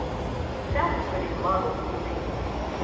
It sounded pretty muddled to me.